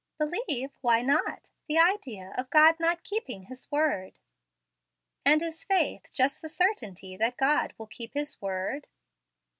"Believe! Why not? The idea of God not keeping His word!" "And is faith just the certainty that God will keep His word?"